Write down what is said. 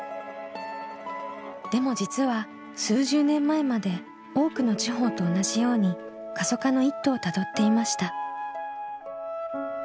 でも実は数十年前まで多くの地方と同じように過疎化の一途をたどっていました。